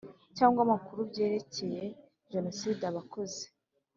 Cyangwa amakuru byerekeye jenoside aba akoze